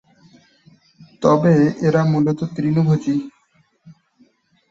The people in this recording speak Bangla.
তবে এরা মূলত তৃণভোজী।